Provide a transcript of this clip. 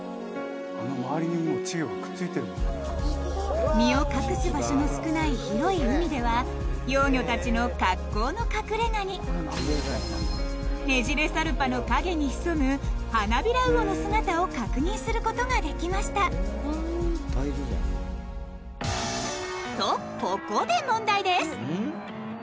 あの周りにいるの稚魚がくっついているの身を隠す場所の少ない広い海では幼魚たちの格好の隠れ家にネジレサルパの陰に潜む「ハナビラウオ」の姿を確認することができましたとここで問題です！